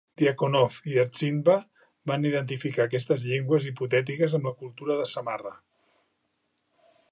Dyakonov i Ardzinba van identificar aquestes llengües hipotètiques amb la cultura de Samarra.